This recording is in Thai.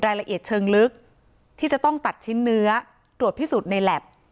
รายละเอียดเชิงลึกที่จะต้องตัดชิ้นเนื้อตรวจพิสูจน์ในแล็บ